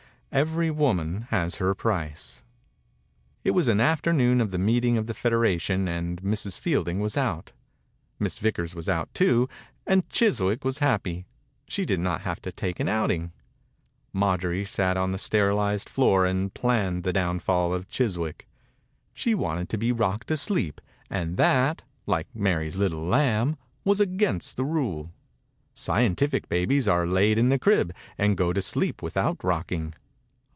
Every woman has her price. It was an afternoon of the meeting of the federation and Mrs. Fielding was out. Miss Vickers was out, too, and Chis wick was happy. She did not have to take an outing. Maijorie sat on the sterilized floor and planned the downfall 86 THE INCUBATOR BABY of Chiswick. She wanted to be rocked asleep, and that, like Mary's little lamb, was against the rule. Scientific babies are laid in the crib and go to sleep without rocking.